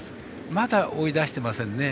まだ追い出してませんね。